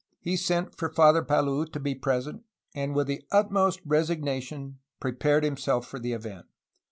He sent for Father Palou to be present, and with the utmost resignation prepared himself for the event.